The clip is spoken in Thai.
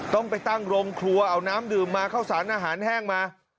ต้องไปตั้งโรงครัวเอาน้ำดื่มมาเข้าสารอาหารแห้งมา